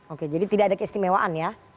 oke jadi tidak ada keistimewaan ya